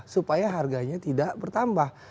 supaya harganya tidak bertambah